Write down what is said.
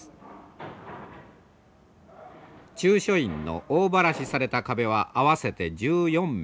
中書院の大ばらしされた壁は合わせて１４面。